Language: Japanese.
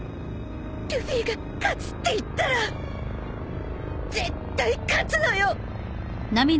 ルフィが勝つって言ったら絶対勝つのよ。